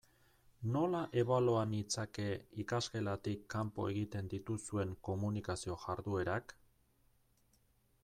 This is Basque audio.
Nola ebalua nitzake ikasgelatik kanpo egiten dituzuen komunikazio jarduerak?